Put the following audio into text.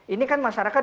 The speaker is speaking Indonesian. ini kan masyarakat